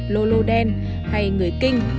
lô lô đen hay người kinh